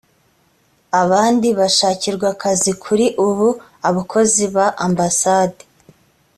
abandi bashakirwa akazi kuri ubu abakozi ba ambasade